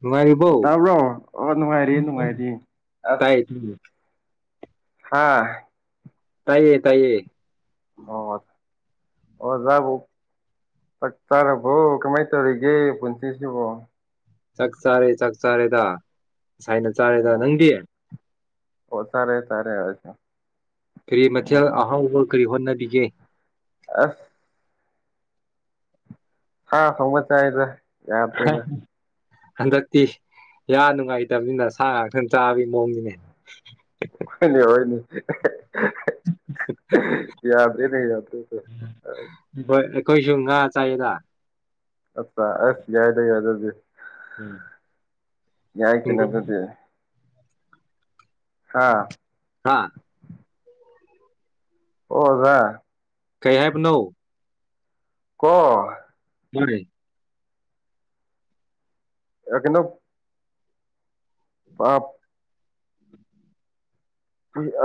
ꯅꯨꯡꯉꯥꯏꯔꯤꯕꯣ ꯇꯥꯕ꯭ꯔꯣ ꯑꯣ ꯅꯨꯡꯉꯥꯏꯔꯤ ꯅꯨꯡꯉꯥꯏꯔꯤ ꯑꯁ ꯇꯥꯏ ꯍꯥꯥ ꯇꯥꯏꯌꯦ ꯇꯥꯏꯌꯦ ꯑꯣ ꯑꯣ ꯑꯣꯖꯥꯕꯨꯥꯛ ꯆꯥꯛ ꯆꯥꯔꯕꯣ ꯀꯃꯥꯏꯅ ꯇꯧꯔꯤꯒꯦ ꯄꯨꯟꯁꯤꯁꯤꯕꯣ ꯆꯥꯛ ꯆꯥꯔꯦ ꯆꯥꯛ ꯆꯥꯔꯦꯗ ꯁꯥꯏꯅ ꯆꯥꯔꯦꯗ ꯑꯣ ꯅꯪꯗꯤ ꯑꯣ ꯁꯔꯦ ꯁꯔꯦ ꯍꯥꯏꯁ ꯐꯔꯤ ꯃꯊ ꯑꯍ ꯎꯕ ꯀꯔꯤ ꯍꯣꯠꯅꯔ ꯕꯤꯒꯦ ꯑ ꯍꯥ ꯊꯣꯪꯕꯥ ꯆꯏꯌꯦꯗ ꯌꯥꯗꯔ꯭ꯦꯗꯥ ꯍꯟꯗꯛꯇꯤ ꯌꯥꯝ ꯅꯨꯡꯉꯥꯏꯇꯕꯅꯤꯅ ꯁꯥ ꯉꯥꯛꯇꯪ ꯆꯥꯕꯒꯤ ꯃꯑꯣꯡꯅꯤꯅꯦ ꯍꯣꯏꯅꯤ ꯑꯣꯏꯣꯏꯅꯤ ꯌꯥꯗꯦꯅꯦ ꯌꯥꯗꯦꯅꯦ ꯍꯣꯏ ꯑꯩꯈꯣꯏꯁꯨ ꯉꯥ ꯆꯥꯏꯗ ꯑꯆꯥ ꯑꯁ ꯌꯥꯏꯗ ꯌꯥꯗ ꯑꯗꯨ ꯌꯥꯏ ꯀꯩꯅꯣ ꯍꯤꯡꯒꯣꯜ ꯑꯗꯨꯗꯤ ꯍꯥ ꯍꯥꯥ ꯑꯣꯖꯥ ꯀꯩ ꯍꯥꯏꯦꯕ ꯅꯧ ꯀꯣ [unintelligible] ꯑ ꯀꯅꯣ ꯄꯞ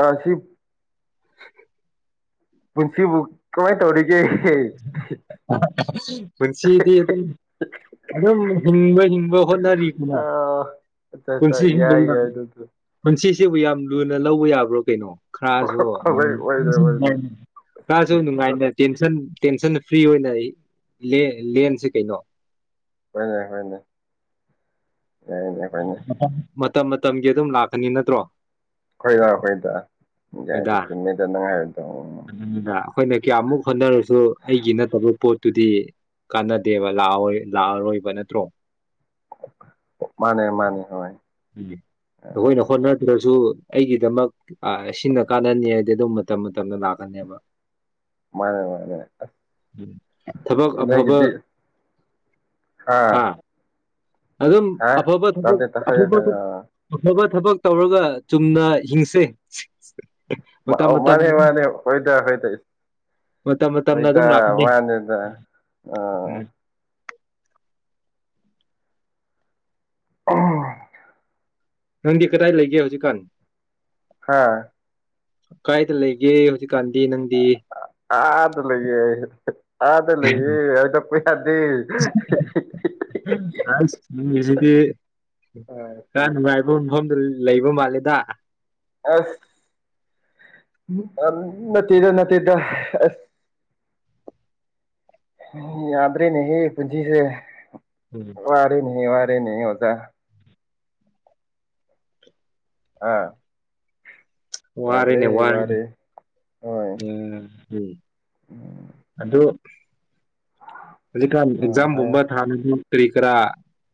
ꯑꯥꯁꯤ ꯄꯨꯟꯁꯤꯕꯨ ꯀꯃꯥꯏꯅ ꯇꯧꯔꯤꯒꯦ ꯄꯨꯟꯁꯤꯗꯤ ꯑꯗꯨꯝ ꯑꯗꯨꯝ ꯍꯤꯡꯕ ꯍꯤꯡꯕ ꯍꯣꯠꯅꯔꯤ ꯀꯅ ꯑ ꯑꯠꯆꯥ ꯑꯠꯆꯥ ꯄꯨꯟꯁꯤ ꯌꯥꯏ ꯍꯤꯡꯕ ꯌꯥꯏ ꯑꯗꯨꯁꯨ ꯄꯨꯟꯁꯤ ꯁꯤꯕꯨ ꯌꯥꯝ ꯂꯨꯅ ꯂꯧꯕ ꯌꯥꯕ꯭ꯔꯣ ꯀꯩꯅꯣ ꯈꯔꯁꯨ ꯍꯣꯏ ꯑꯣꯏꯗ꯭ꯔꯦ ꯑꯣꯏꯗ꯭ꯔꯦ ꯈꯔꯁꯨ ꯑꯁ ꯅꯨꯡꯉꯥꯏꯅ ꯇꯦꯟꯁꯟ ꯐꯅ ꯐ꯭ꯔꯤ ꯑꯣꯏꯅ ꯑꯩ ꯂꯦꯟꯁꯦ ꯀꯩꯅꯣ ꯍꯅꯦ ꯍꯅꯦ [unintelligible] ꯃꯇꯝ ꯃꯇꯝꯒꯤ ꯑꯗꯨꯝ ꯂꯥꯛꯀꯅꯤ ꯅꯠꯇ꯭ꯔꯣ ꯍꯣꯏꯗ ꯍꯣꯏꯗ ꯍꯣꯏꯗ ꯍꯥꯏ ꯆꯨꯝꯃꯤꯗ ꯅꯪ ꯍꯥꯏꯕꯗꯣ ꯑꯗꯨꯅꯤꯗ ꯑꯩꯈꯣꯏꯅ ꯀꯌꯥꯃꯨꯛ ꯍꯣꯠꯅꯔꯁꯨ ꯑꯩꯒꯤ ꯅꯠꯇꯕ ꯄꯣꯠꯇꯨꯗꯤ ꯀꯥꯟꯅꯗꯦꯕ ꯂ ꯂꯥꯛꯑꯔꯣꯏꯕ ꯅꯠꯇ꯭ꯔꯣ ꯃꯥꯅꯦ ꯃꯥꯅꯦ ꯍꯣꯏ ꯎꯝ ꯑꯩꯈꯣꯏꯅ ꯍꯣꯠꯅꯗ꯭ꯔꯁꯨ ꯑꯩꯒꯤꯗꯃꯛ ꯁꯤꯅ ꯀꯥꯟꯅꯅꯤ ꯍꯥꯏꯗꯤ ꯑꯗꯨꯝ ꯃꯇꯝ ꯃꯇꯝ ꯇꯝꯗ ꯂꯛꯀꯅꯦꯕꯥ ꯃꯥꯅꯦ ꯃꯥꯅꯦ ꯊꯕꯛ ꯑꯐꯕ ꯑꯦꯅꯦꯒꯤꯗꯤ ꯑꯥ ꯍꯥ ꯑꯗꯨꯝ ꯍꯥ ꯑꯐꯕ ꯊꯕꯛ ꯇꯥꯗꯦꯗ ꯍꯥꯏꯌꯣ ꯑꯐꯕ ꯍꯥꯏꯌꯣ ꯑꯐꯕ ꯊꯕꯛ ꯇꯧꯔꯒ ꯆꯨꯝꯅ ꯍꯤꯡꯁꯦ ꯃꯇꯝ ꯃꯇꯝ ꯃꯥꯅꯦ ꯃꯥꯅꯦ ꯑꯣꯗ ꯍꯣꯢꯗ ꯃꯇꯝ ꯃꯇꯝꯅ ꯍꯣꯢꯗ ꯑꯗꯨꯝ ꯂꯥꯛꯀꯅꯤ ꯃꯥꯅꯦꯗ ꯑ ꯎꯝ ꯎ ꯅꯪꯗꯤ ꯀꯗꯥꯏ ꯂꯩꯒꯦ ꯍꯧꯖꯤꯛꯀꯥꯟ ꯍꯥ ꯀꯥꯏꯗ ꯂꯩꯒꯦ ꯍꯧꯖꯤꯛꯀꯥꯟꯗꯤ ꯅꯪꯗꯤ ꯑꯥꯗ ꯂꯩꯌꯦ ꯑꯥꯗ ꯂꯩꯌꯦ ꯀꯣꯏ ꯗꯤ ꯍꯤ ꯍꯤ ꯑꯁ ꯃꯤꯁꯤꯗꯤ ꯑꯥ ꯈꯔ ꯀꯔꯤ ꯅꯨꯡꯉꯥꯏꯕ ꯃꯐꯝꯗ ꯂꯩꯕ ꯃꯥꯜꯂꯦꯗ ꯑꯁ ꯅꯠꯇꯦꯗ ꯅꯠꯇꯦꯗ ꯑꯁ ꯌꯥꯗ꯭ꯔꯦꯅꯦꯍꯦ ꯄꯨꯟꯁꯤꯁꯦ ꯎꯝ ꯋꯥꯔꯦꯅꯦꯍꯦ ꯋꯥꯔ ꯅꯦ ꯑꯣꯖꯥ ꯑꯥ ꯋꯥꯔꯅꯦ ꯌꯥꯗ꯭ꯔꯦ ꯋꯥꯔ ꯎꯝ ꯋꯥꯔꯦ ꯍꯣꯏ ꯎꯝ ꯎꯝ ꯑꯗꯨꯗ ꯍꯧꯖꯤꯛꯀꯥꯟ ꯑꯥ ꯍꯥꯏꯌꯣ ꯑꯦꯛꯖꯥꯝꯒꯨꯝꯕ ꯊꯥꯅꯒꯤ ꯀꯔꯤ ꯀꯔꯥ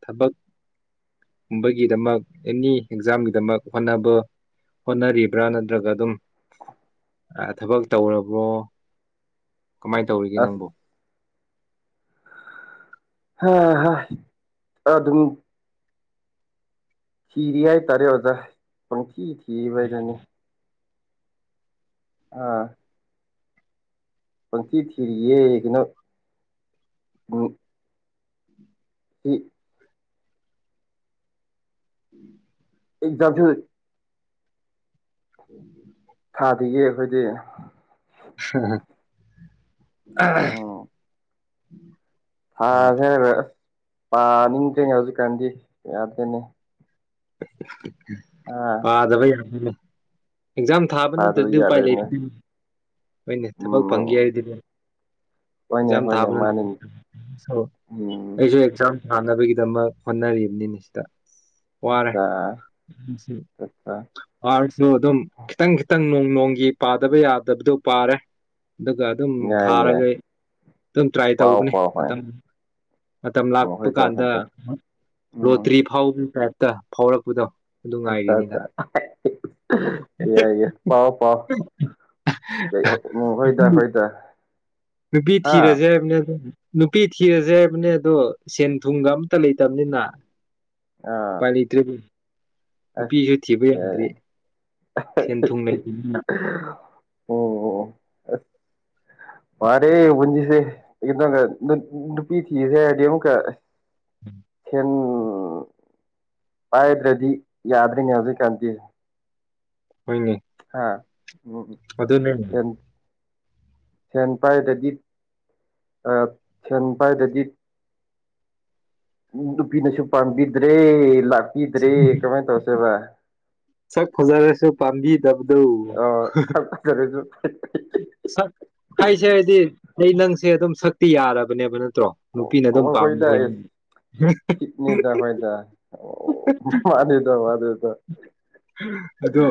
ꯊꯕꯛꯀꯨꯝꯕꯒꯤꯗꯃꯛ ꯑꯦꯅꯤ ꯑꯦꯛꯖꯥꯝꯒꯤꯗꯃꯛ ꯍꯣꯠꯅꯕ ꯍꯣꯠꯅꯔꯤꯕ꯭ꯔꯥ ꯅꯠꯇ꯭ꯔꯒ ꯑꯗꯨꯝ ꯊꯕꯛ ꯇꯧꯔꯕ꯭ꯔꯣ ꯀꯃꯥꯏꯅ ꯇꯧꯔꯤꯒꯦ ꯑꯁ ꯅꯪꯕꯨ ꯍꯥ ꯍꯥ ꯑꯗꯨꯝ ꯊꯤꯔꯤ ꯍꯥꯏ ꯇꯔꯦ ꯑꯣꯖꯥ ꯄꯪꯊꯤ ꯊꯤꯕꯍꯥꯢꯗꯨꯅꯤ ꯑꯥ ꯄꯪꯊꯤ ꯊꯔꯤꯌꯦ ꯏꯩꯅ ꯎ ꯍ ꯎꯝ ꯑꯦꯗꯝ ꯐ ꯎꯝ ꯊꯥꯗꯦꯌꯦ ꯑꯩꯈꯣꯏꯗꯤ ꯍꯝ ꯑ ꯎꯝ ꯑꯥ ꯐꯦ ꯄꯥꯅꯤꯡꯗꯦꯅꯦ ꯍꯧꯖꯤꯛꯀꯥꯟꯗꯤ ꯌꯥꯗꯦꯅꯦ [inaudible] ꯄꯥꯗꯕꯩ ꯑꯦꯛꯖꯥꯝ ꯊꯥꯕ ꯅꯠꯇ꯭ꯔꯗꯤ ꯄꯥꯗꯕꯗꯤ ꯎꯄꯥꯏ ꯌꯥꯔꯣꯏꯅꯦ ꯂꯩꯇꯦ ꯍꯣꯏꯅꯦ ꯊꯕꯛ ꯐꯪꯒꯦ ꯎꯝ ꯍꯥꯏꯔꯗꯤꯅꯦ ꯍꯣꯏꯅꯦ ꯑꯦꯖꯥꯝ ꯍꯣꯏꯅꯦ ꯊꯥꯕ ꯃꯥꯅꯤꯅꯦ ꯎꯝ ꯑꯩꯁꯨ ꯑꯦꯛꯖꯥꯝ ꯊꯥꯅꯕꯒꯤꯗꯃꯛ ꯍꯣꯠꯅꯔꯤꯕꯅꯤꯅꯦ ꯁꯤꯗ ꯋꯥꯔꯦ ꯑꯠꯆꯥ ꯎ ꯑꯠꯆꯥ ꯋꯥꯔꯁꯨ ꯑꯗꯨꯝ ꯈꯤꯇꯪ ꯈꯤꯇꯪ ꯅꯣꯡ ꯅꯣꯡꯒꯤ ꯄꯥꯗꯕ ꯌꯥꯗꯕꯗꯨ ꯄꯥꯔꯦ ꯑꯗꯨꯒ ꯑꯗꯨꯝ ꯌꯥꯏ ꯌꯥꯏ ꯊꯥꯔꯒ ꯑꯗꯨꯝ ꯇ꯭ꯔꯥꯏ ꯄꯥꯎ ꯇꯧꯕꯅꯦ ꯄꯥꯎ ꯍꯣꯏ ꯃꯇꯝ ꯃꯇꯝ ꯑꯣ ꯂꯥꯛꯄ ꯍꯣꯏꯗ ꯀꯥꯟꯗ ꯍꯣꯏꯗ ꯎꯝ ꯂꯣꯇ꯭ꯔꯤ ꯐꯥꯎꯕ ꯇꯥꯏ ꯇ ꯐꯥꯎꯔꯛꯄꯗꯣ ꯑꯗꯨ ꯉꯥꯏꯔꯤꯅꯤꯗ ꯑꯠꯆꯥꯆꯥ ꯑꯠꯆꯥ ꯑꯦ ꯏ ꯄꯥꯎ ꯄꯑꯣ ꯎꯝ ꯍꯣꯏꯗ ꯍꯣꯏꯗ ꯅꯨꯄꯤ ꯍꯥ ꯊꯤꯔꯁꯦ ꯍꯥꯢꯕꯅꯦ ꯅꯨꯄꯤ ꯊꯤꯔꯁꯦ ꯍꯥꯏꯕꯅꯦ ꯑꯗꯣ ꯁꯦꯟ ꯊꯨꯝꯒ ꯑꯝꯇ ꯂꯩꯇꯕꯅꯤꯅ ꯑꯥ ꯄꯥꯏ ꯂꯩꯇꯔꯦ ꯑꯁ ꯁꯦꯟ ꯊꯨꯝ ꯂꯩꯇꯕꯅꯤꯅ ꯑꯣ ꯑ ꯌꯥꯔꯦ ꯕꯨꯟꯖꯤꯁꯦ ꯅꯨꯄꯤ ꯊꯤꯔꯁꯤ ꯍꯥꯢꯔꯗꯤ ꯑꯃꯨꯀ ꯎꯝ ꯎ ꯄꯥꯏꯗ꯭ꯔꯗꯤ ꯌꯥꯗ꯭ꯔꯤꯅꯦ ꯍꯧꯖꯩ ꯀꯥꯟꯗꯦ ꯍꯣꯢꯅꯦ ꯑ ꯑꯗꯨꯅꯦ ꯁꯦꯟ ꯄꯥꯏꯗꯗꯤ ꯑ ꯁꯦꯟ ꯄꯥꯏꯗꯗꯤ ꯅꯨꯄꯤꯅꯁꯨ ꯄꯥꯝꯕꯤꯗ꯭ꯔꯦ ꯂꯥꯛ ꯄꯤꯗ꯭ꯔꯦ ꯀꯃꯥꯏ ꯇꯧꯁꯦꯕ ꯁꯛ ꯐꯖꯔꯁꯨ ꯄꯥꯟꯕꯤ ꯑꯣ ꯁꯛ ꯐꯖꯔꯁꯨ ꯁꯛ ꯍꯥꯏꯁꯦ ꯍꯥꯏꯗꯤ ꯑꯩ ꯅꯪꯁꯦ ꯑꯗꯨꯝ ꯁꯛꯇꯤ ꯌꯥꯔꯕꯅꯦꯕ ꯅ ꯑꯣꯈꯣꯏꯗ ꯀꯤꯠꯅꯤꯗ ꯍꯣꯏꯗ ꯑꯣ ꯃꯥꯅꯤꯗ ꯃꯥꯅꯤ ꯗ ꯑ ꯑꯗꯣ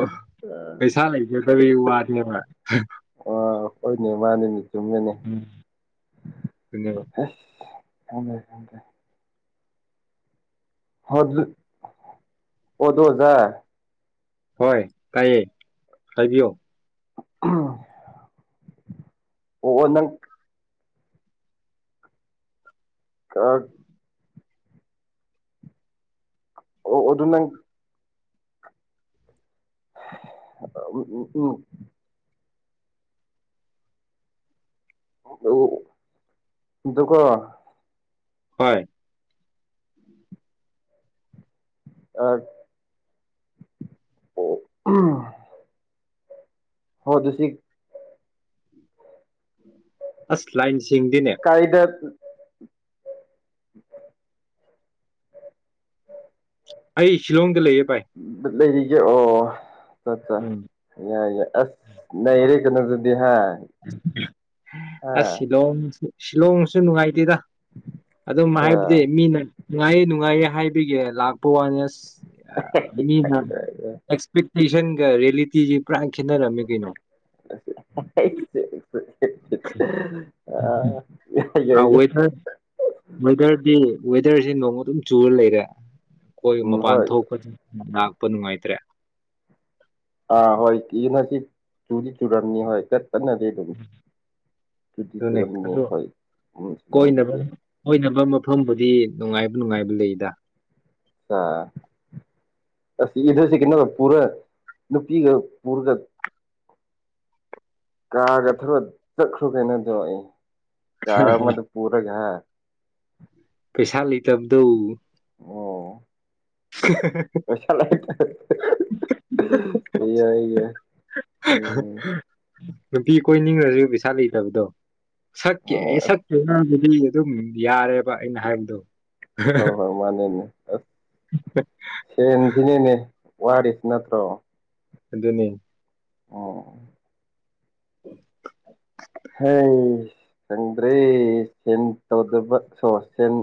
ꯄꯩꯁꯥ ꯂꯩꯖꯗꯕꯤ ꯋꯥꯅꯦꯕ ꯍꯥ ꯑ ꯍꯣꯏꯅꯦ ꯃꯥꯅꯤꯅꯦ ꯆꯨꯝꯃꯤꯅꯦ ꯎꯝ ꯊꯨꯅꯦꯕ ꯁꯪꯗ꯭ꯔꯦ ꯁꯪꯗ꯭ꯔꯦ ꯍꯣ ꯑꯗꯨ ꯑꯗꯣ ꯑꯣꯖꯥ ꯍꯣꯏ ꯇꯥꯏꯌꯦ ꯍꯥꯏꯕꯤꯌꯣ [unintelligible] ꯑꯣ ꯅꯪ [unintelligible] ꯑꯣ ꯑꯣ ꯑꯗꯨ ꯅꯪ ꯑ ꯎ ꯎ ꯎꯝ ꯎꯝ ꯑꯗꯨꯀꯣ ꯍꯣꯏ ꯑ ꯑꯣ [unintelligible] ꯍꯣ ꯑꯗꯨꯁꯤ ꯑꯁ ꯂꯥꯏꯟ ꯁꯦꯡꯗꯦꯅꯦ ꯀꯥꯏꯗ ꯑꯩ ꯁꯤꯂꯣꯡꯗ ꯂꯩꯌꯦ ꯚꯥꯏ [unintelligible] ꯂꯩꯔꯤꯒꯦ ꯑꯣ ꯆꯠꯆ ꯎꯝ ꯌꯥ ꯌꯥ ꯑꯁ ꯅꯩꯔꯦ ꯀꯩꯅꯣ ꯑꯗꯨꯗꯤ ꯍꯥ ꯑꯁ ꯍꯥ ꯁꯤꯂꯣꯡ ꯁꯤꯂꯣꯡꯁꯨ ꯅꯨꯡꯉꯥꯏꯇꯦꯗ ꯑꯗꯨꯝ ꯍꯥꯏꯕꯗꯤ ꯑꯥ ꯃꯤꯅ ꯅꯨꯡꯉꯥꯏꯌꯦ ꯅꯨꯡꯉꯥꯏꯌꯦ ꯍꯥꯏꯕ [unintelligible] ꯂꯥꯛꯄꯨꯋꯥꯅꯤ ꯑꯁ ꯑꯁ ꯌꯥꯝ ꯃꯤꯅ ꯑꯦꯛꯁꯄꯤꯠ ꯄꯔꯤꯁꯟ ꯔꯦꯜꯂꯤꯇꯤꯒꯤ ꯀꯔꯥꯡ ꯈꯦꯠꯅꯔꯝꯃꯦ ꯀꯩꯅꯣ [unintelligible] ꯌꯥꯏ [inaudible] ꯑ ꯌꯥꯏ ꯌꯥꯏ ꯋꯦꯗꯔ ꯋꯦꯗꯔꯗꯤ ꯋꯦꯗꯔꯁꯦ ꯅꯣꯡ ꯑꯗꯨꯝ ꯆꯨꯔ ꯂꯩꯔꯦ ꯑꯈꯣꯏ ꯎꯝ ꯃꯄꯥꯟ ꯍꯣꯏ ꯊꯣꯛꯄ ꯂꯥꯛꯄ ꯅꯨꯡꯉꯥꯏꯇ꯭ꯔꯦ [inaudible] ꯑꯥ ꯍꯣꯏ [unintelligible] ꯆꯨꯗꯤ ꯆꯨꯨꯔꯝꯅꯤ ꯍꯣꯏ ꯀꯟꯅꯗꯤ ꯑꯗꯨꯝ ꯆꯨꯗꯤ ꯑꯗꯨꯅꯦ ꯆꯨꯔꯝꯅꯤ ꯑꯗꯨ ꯍꯣꯏ ꯎꯝ ꯀꯣꯏꯅꯕ ꯁꯤꯂꯣꯡꯗꯗꯤ ꯀꯣꯏꯅꯕ ꯃꯐꯝꯕꯨꯗꯤ ꯅꯨꯡꯉꯥꯏꯕ ꯅꯨꯡꯉꯥꯏꯕ ꯂꯩꯗ ꯁꯥ [unintelligible] ꯄꯨꯔ ꯅꯨꯄꯤꯒ ꯄꯨꯔꯒ ꯀꯥꯔꯒ ꯊꯧꯔ ꯆꯠꯈ꯭ꯔꯣ ꯀꯩꯅꯣꯗꯣ ꯑꯦ ꯀꯥꯔ ꯑꯃꯗ ꯄꯨꯔꯒ ꯍꯥ ꯄꯩꯁꯥ ꯂꯩꯇꯕꯗꯨ ꯑꯣ [unintelligible] ꯄꯩꯁ [unintelligible] ꯌꯥ ꯌꯥ ꯎꯝ ꯅꯨꯄꯤ ꯀꯣꯏꯅꯤꯡꯉꯁꯨ ꯄꯩꯁꯥ ꯂꯩꯇꯕꯗꯣ ꯁꯛꯀꯤ ꯑꯣ ꯑꯌꯦ ꯁꯛꯀꯤ [unintelligible] ꯗꯤ ꯑꯗꯨꯝ ꯌꯥꯔꯦꯞ ꯍꯣꯏ ꯍꯣꯏ ꯃꯥꯅꯦꯅꯦ ꯑꯁ ꯁꯦꯟꯁꯤꯅꯦꯅꯦ ꯋꯥꯔꯤꯁꯤ ꯅꯠꯇ꯭ꯔꯣ ꯑꯗꯨꯅꯦ ꯑꯣ [inaudible] ꯍꯩꯁ ꯈꯪꯗ꯭ꯔꯦ ꯁꯦꯟ ꯇꯧꯗꯕ ꯁꯣ ꯁꯤꯟ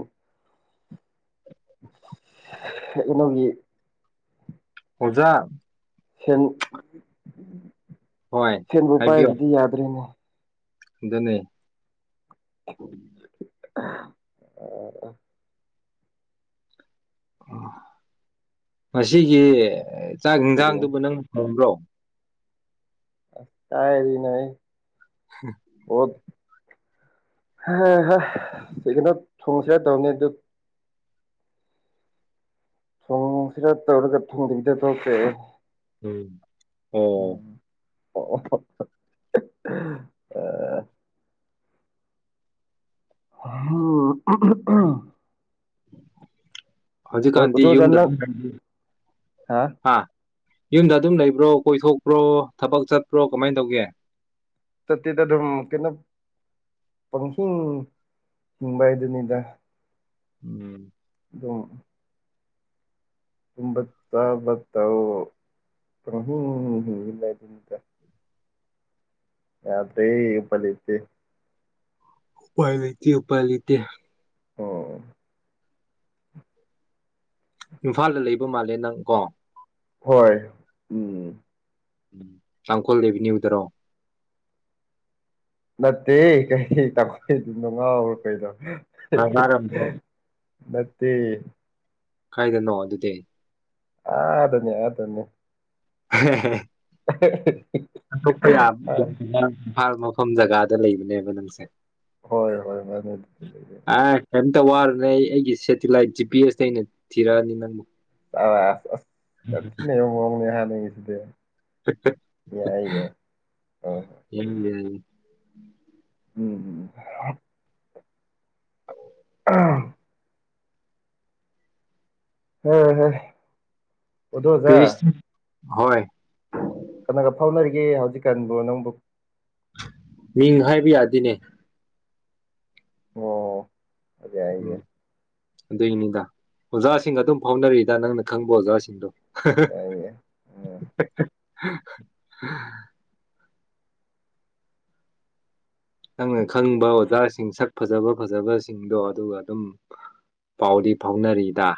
ꯑꯁ ꯏꯃꯒꯤ ꯑꯣꯖꯥ ꯁꯦꯟ ꯍꯣꯏ ꯁꯦꯟꯕꯨ ꯄꯥꯏꯗ꯭ꯔꯗꯤ ꯌꯥꯗ꯭ꯔꯦꯅꯦ ꯑꯗꯨꯅꯤ [inaudible] [unintelligible] ꯑ ꯃꯁꯤꯒꯤ ꯆꯥꯛ ꯀꯔꯤ ꯌꯦꯟꯖꯥꯡꯗꯨꯕꯨ ꯅꯪꯅ ꯊꯣꯡꯕ꯭ꯔꯣ ꯑꯁ ꯇꯥꯏꯔꯤꯅꯍꯦ ꯑꯣ ꯍꯥ ꯍ [unintelligible] ꯊꯣꯡꯁꯤꯔꯥ ꯇꯧꯕꯅꯤ ꯑꯗꯨ ꯊꯣꯡꯁꯤꯔ ꯇꯔꯒ ꯊꯣꯡꯗꯕꯤꯗ ꯇꯣꯛꯈ꯭ꯔꯦ ꯎꯝ ꯍꯣꯏ ꯍꯣꯏ ꯑꯣ [unintelligible] ꯍꯥ [unintelligible] ꯍꯧꯖꯤꯛꯀꯥꯟꯗꯤ ꯌꯨꯝꯗ ꯅꯪ [unintelligible] ꯍꯥ ꯌꯨꯝꯗ ꯑꯗꯨꯝ ꯂꯩꯕ꯭ꯔꯣ ꯀꯣꯏꯊꯣꯛꯄ꯭ꯔꯣ ꯊꯕꯛ ꯆꯠꯄ꯭ꯔꯣ ꯀꯃꯥꯏꯅ ꯇꯧꯒꯦ ꯆꯠꯇꯦꯗ ꯑꯗꯨꯝ ꯀꯩꯅꯣ ꯄꯪꯍꯤꯡ ꯍꯤꯡꯕ ꯍꯥꯏꯗꯨꯅꯤꯗ ꯎꯝ ꯗꯣꯡ ꯇꯨꯝꯕ ꯆꯕꯥ ꯇꯧ ꯄꯪꯍꯤꯡ ꯍꯤꯡꯂꯤꯕ ꯍꯥꯏꯗꯨꯅꯤꯗ ꯌꯥꯗꯦ ꯎꯄꯥꯏ ꯂꯩꯇꯦ ꯎꯄꯥꯏ ꯂꯩꯇꯦ ꯎꯥꯄꯥꯏ ꯂꯩꯇꯦ ꯑꯣ ꯏꯝꯐꯥꯜꯗ ꯂꯩꯕ ꯃꯥꯜꯂꯦ ꯅꯪ ꯀꯣ ꯍꯣꯏ ꯎꯝ ꯎꯝ ꯇꯥꯡꯈꯨꯜ ꯑꯦꯚꯤꯅ꯭ꯌꯨꯗꯔꯣ ꯅꯠꯇꯦꯍꯦ ꯀꯥꯏꯗꯩ ꯇꯥꯡꯈꯨꯜ ꯑꯦꯚꯦꯅ꯭ꯌꯨ ꯅꯣ ꯉꯥꯎꯔꯕ ꯀꯩꯅꯣ [unintelligible] ꯅꯠꯇꯦ ꯀꯥꯏꯗꯅꯣ ꯑꯗꯨꯗꯤ ꯑꯥꯗꯅꯦ ꯑꯥꯗꯅꯦ [unintelligible] [unintelligible] ꯍꯟꯇꯣꯛꯄ ꯌꯥꯕꯗꯨ ꯌꯥꯟꯁꯤꯟꯅꯔꯝꯅꯤ ꯏꯝꯐꯥꯜ ꯃꯐꯝ ꯖꯒꯥꯗ ꯂꯩꯕꯅꯦꯕ ꯅꯪꯁꯦ ꯍꯣꯏ ꯍꯣꯏ ꯍꯣꯏ [unintelligible] ꯋꯥꯔꯣꯅꯨ ꯑꯩ ꯑꯩꯒꯤ ꯁꯦꯇꯤꯂꯥꯏꯠ ꯖꯤ ꯄꯤ ꯑꯦꯁꯇ ꯑꯩꯅ ꯊꯤꯔꯛꯑꯅꯤ ꯅꯪꯕꯨ ꯑꯥ ꯑꯥ ꯑꯁ ꯑꯁ ꯌꯥꯝ ꯊꯤ ꯅꯩꯕꯩ ꯃꯑꯣꯡꯅꯤꯅꯤ ꯍꯥꯏ ꯅꯪꯒꯤꯁꯤꯗꯤ [unintelligible] ꯍꯣꯏ ꯍꯣꯏ [unintelligible] ꯎꯝ ꯎꯝ [unintelligible] ꯑꯥ [unintelligible] ꯑꯗꯣ ꯑꯣꯖꯥ ꯄꯦꯔꯤꯁ ꯍꯣꯏ ꯀꯅꯥꯒ ꯐꯥꯎꯅꯔꯤꯒꯦ ꯍꯧꯖꯤꯛꯀꯥꯟꯕꯨ ꯅꯪꯕꯨ ꯃꯤꯡ ꯍꯥꯏꯕ ꯌꯥꯗꯦꯅꯦ ꯑꯣ ꯎꯝ [unintelligible] ꯑꯗꯨꯏꯅꯤꯗ ꯑꯣꯖꯥꯁꯤꯡꯒ ꯑꯗꯨꯝ ꯐꯥꯎꯅꯔꯤꯗ ꯅꯪꯅ ꯈꯪꯕ ꯑꯣꯖꯥꯁꯤꯡꯗꯣ ꯌꯥꯏꯌꯦ ꯎꯝ [unintelligible] [unintelligible] ꯅꯪꯅ ꯈꯪꯕ ꯑꯣꯖꯥꯁꯤꯡ ꯁꯛ ꯐꯖꯕ ꯐꯖꯕꯁꯤꯡꯗꯣ ꯑꯗꯨꯒ ꯑꯗꯨꯝ ꯄꯥꯎꯗꯤ ꯐꯥꯎꯅꯔꯤꯗ